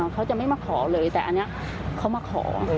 เขาจะไม่มาขอเลยแต่อันนี้เขามาขอ